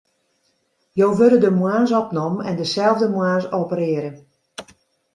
Jo wurde de moarns opnommen en deselde moarns operearre.